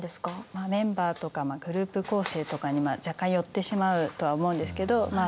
まあメンバーとかグループ構成とかに若干よってしまうとは思うんですけどまあ